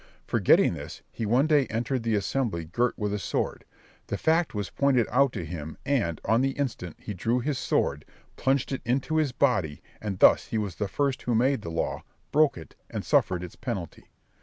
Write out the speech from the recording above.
Forgetting this, he one day entered the assembly girt with a sword; the fact was pointed out to him, and, on the instant, he drew his sword, plunged it into his body, and thus he was the first who made the law, broke it, and suffered its penalty.